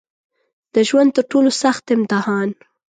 د ژوند تر ټولو سخت امتحان